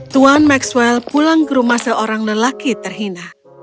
tuan maxwell pulang ke rumah seorang lelaki terhina